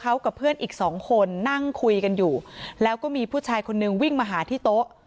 เขากับเพื่อนอีกสองคนนั่งคุยกันอยู่แล้วก็มีผู้ชายคนนึงวิ่งมาหาที่โต๊ะ